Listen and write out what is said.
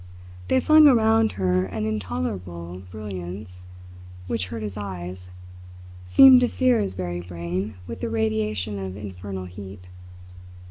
They flung around her an intolerable brilliance which hurt his eyes, seemed to sear his very brain with the radiation of infernal heat.